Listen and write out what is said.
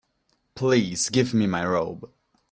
Please give me my robe.